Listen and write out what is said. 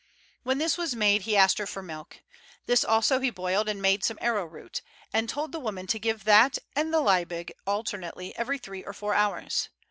When this was made he asked her for milk; this also he boiled and made some arrow root, and told the woman to give that and the Liebig alternately every three or four hours.